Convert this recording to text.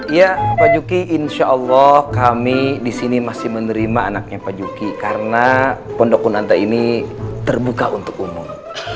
iya pak juki insya allah kami disini masih menerima anaknya pak juki karena pendokunan teh ini terbuka untuk umum